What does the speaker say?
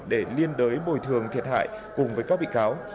để liên đới bồi thường thiệt hại cùng với các bị cáo